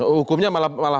hukumnya malah belum jelas